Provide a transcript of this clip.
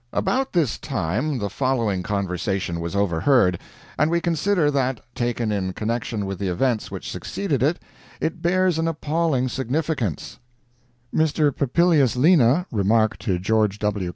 About this time the following conversation was overheard, and we consider that, taken in connection with the events which succeeded it, it bears an appalling significance: Mr. Papilius Lena remarked to George W.